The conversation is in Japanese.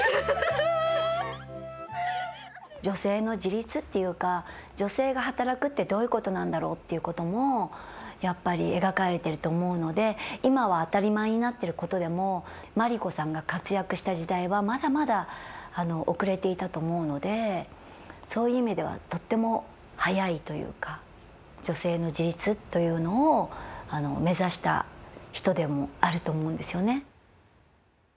女性の自立っていうか女性が働くってどういうことなんだろうっていうこともやっぱり描かれてると思うので今は当たり前になっていることでもマリ子さんが活躍した時代はまだまだ遅れていたと思うのでそういう意味ではとっても早いというか女性の自立というのを目指した人でもあると思うんですよね。